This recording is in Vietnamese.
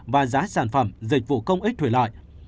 và giá sản phẩm dịch vụ công ích thủy lợi